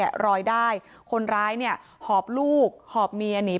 ไม่อยากให้ต้องมีการศูนย์เสียกับผมอีก